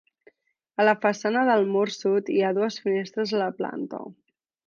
A la façana del mur sud hi ha dues finestres a la planta.